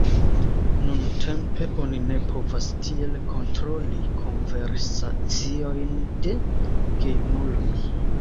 Nuntempe oni ne povas tiel kontroli konversaciojn de gejunuloj.